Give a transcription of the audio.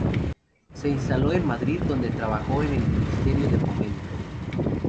Se instaló en Madrid donde trabajó en el Ministerio de Fomento.